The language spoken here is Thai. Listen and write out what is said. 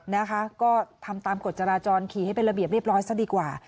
นะคะก็ทำตามกฎจราจรขี่ให้เป็นระเบียบเรียบร้อยซะดีกว่า